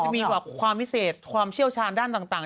มีความพิเศษความเชี่ยวชาญด้านต่าง